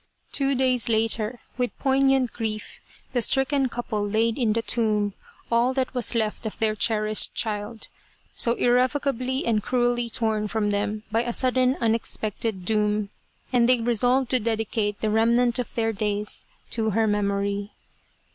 Two days later, with poignant grief, the stricken couple laid in the tomb all that was left of their cherished child, so irrevocably and cruelly torn from them by a sudden unexpected doom, and they resolved to dedicate the remnant of their days to her memory.